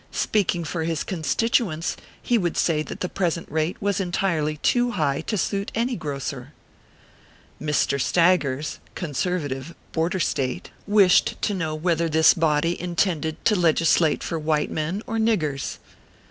Speaking for his constituents he would say that the present rate was entirely too high to suit any grocer Mr. STAGGERS (conservative, Border State) wished 376 ORPHEUS c. KERR PAPERS. to know whether this body intended to legislate for white men or niggers